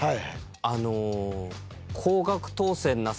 あの。